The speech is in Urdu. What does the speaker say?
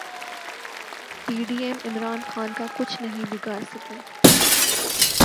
پی ڈی ایم عمران خان کا کچھ نہیں بگاڑسکتی